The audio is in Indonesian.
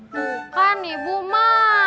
bukan ibu ma